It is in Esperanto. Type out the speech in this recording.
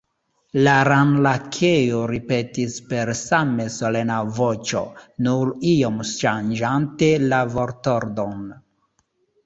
La Ran-Lakeo ripetis per same solena voĉo, nur iom ŝanĝante la vortordon.